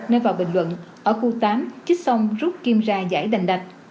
nên vào bình luận ở khu tám chích xong rút kim ra giải đành đặt